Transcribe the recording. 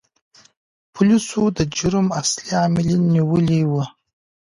پولیسو د جرم اصلي عاملین نیولي وو.